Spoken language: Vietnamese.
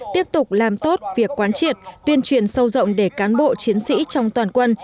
tiếp tục làm tốt việc quán triệt tuyên truyền sâu rộng để cán bộ chiến sĩ trong toàn quân